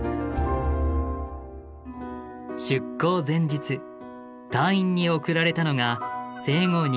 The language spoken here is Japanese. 出港前日隊員に贈られたのが生後２か月のたけし。